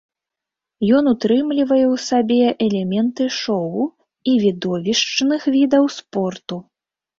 Ён утрымлівае ў сабе элементы шоу і відовішчных відаў спорту.